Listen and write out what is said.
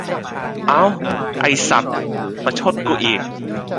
เอ้า ไอ้สัด ประชดกูอีก